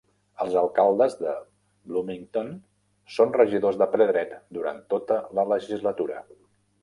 Els alcaldes de Bloomington són regidors de ple dret durant tota la legislatura.